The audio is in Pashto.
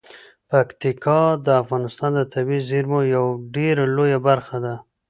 پکتیکا د افغانستان د طبیعي زیرمو یوه ډیره لویه برخه ده.